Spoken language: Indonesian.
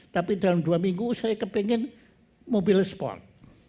tapi dalam dua minggu saya kepengen mobil sport